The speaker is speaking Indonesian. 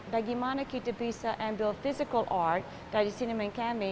bagaimana kita bisa membuat art fisikal dari siniman kami